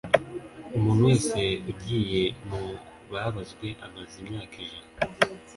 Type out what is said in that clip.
Umuntu wese ugiye mu babazwe amaze imyaka ijana